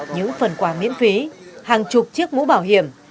những phần quà miễn phí hàng chục chiếc mũ bảo hiểm